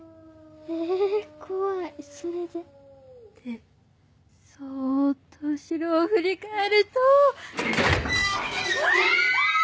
え怖いそれで？でそっと後ろを振り返ると。キャ！キャ！